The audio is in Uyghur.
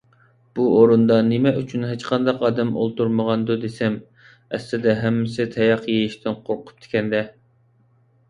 _ بۇ ئورۇندا نېمە ئۈچۈن ھېچقانداق ئادەم ئولتۇرمىغاندۇ دېسەم، ئەسلىدە ھەممىسى تاياق يېيىشتىن قورقۇپتىكەن - دە.